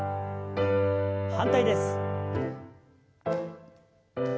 反対です。